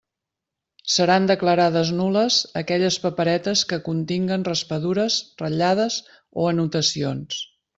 Seran declarades nul·les aquelles paperetes que continguen raspadures, ratllades o anotacions.